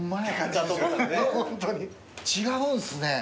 違うんすね。